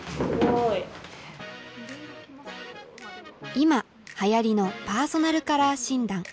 今はやりのパーソナルカラー診断。